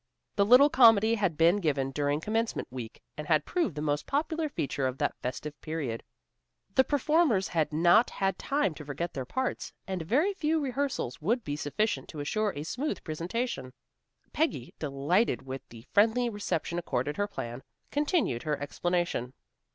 The little comedy had been given during commencement week and had proved the most popular feature of that festive period. The performers had not had time to forget their parts, and a very few rehearsals would be sufficient to assure a smooth presentation. Peggy, delighted with the friendly reception accorded her plan, continued her explanation.